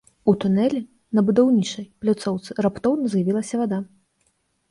У тунэлі на будаўнічай пляцоўцы раптоўна з'явілася вада.